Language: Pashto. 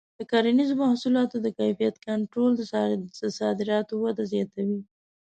د کرنیزو محصولاتو د کیفیت کنټرول د صادراتو وده زیاتوي.